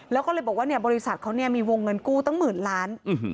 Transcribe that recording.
แล้วก็เลยบอกว่าบริษัทเขามีวงเงินกู้ตั้งหมื่นล้าน